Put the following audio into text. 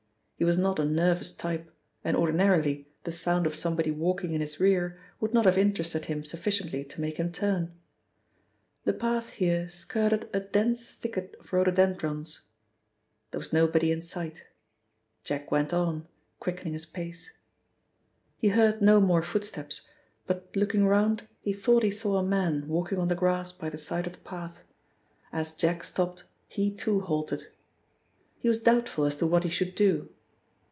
He was not a nervous type, and ordinarily the sound of somebody walking in his rear would not have interested him sufficiently to make him turn. The path here skirted a dense thicket of rhododendrons. There was nobody in sight. Jack went on, quickening his pace. He heard no more footsteps, but looking round he thought he saw a man walking on the grass by the side of the path. As Jack stopped he too halted. He was doubtful as to what he should do.